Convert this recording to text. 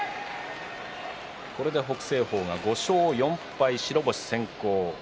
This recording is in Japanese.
北青鵬が５勝４敗白星先行。